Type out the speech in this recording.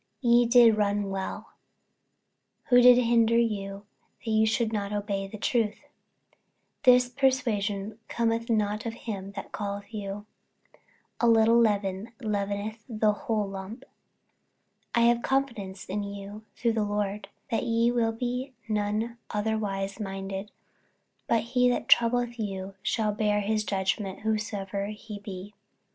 48:005:007 Ye did run well; who did hinder you that ye should not obey the truth? 48:005:008 This persuasion cometh not of him that calleth you. 48:005:009 A little leaven leaveneth the whole lump. 48:005:010 I have confidence in you through the Lord, that ye will be none otherwise minded: but he that troubleth you shall bear his judgment, whosoever he be.